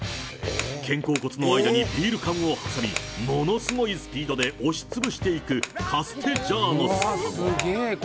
肩甲骨の間にビール缶を挟み、ものすごいスピードで押しつぶしていくカステジャーノスさん。